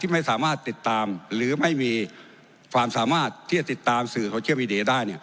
ไม่สามารถติดตามหรือไม่มีความสามารถที่จะติดตามสื่อโซเชียลมีเดียได้